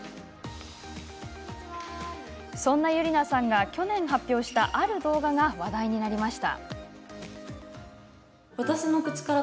そんなＹｕｒｉｎａさんが去年、発表したある動画が話題になりました。